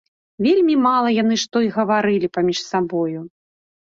Вельмі мала яны што і гаварылі паміж сабою.